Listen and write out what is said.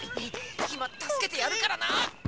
いまたすけてやるからな！